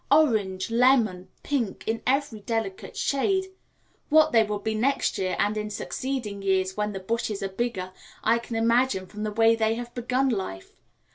Orange, lemon, pink in every delicate shade what they will be next year and in succeeding years when the bushes are bigger, I can imagine from the way they have begun life.